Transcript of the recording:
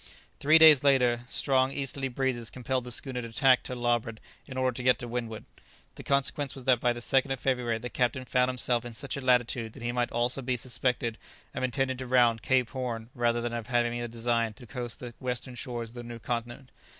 Three days later strong easterly breezes compelled the schooner to tack to larboard in order to get to windward. The consequence was that by the 2nd of February the captain found himself in such a latitude that he might almost be suspected of intending to round Cape Horn rather than of having a design to coast the western shores of the New Continent.